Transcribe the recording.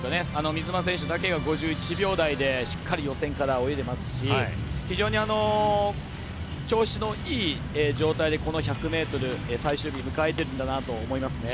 水沼選手だけが５１秒台でしっかり予選から泳いでますし非常に調子のいい状態でこの１００ｍ、最終日迎えてるんだなと思いますね。